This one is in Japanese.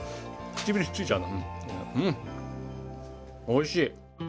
おいしい！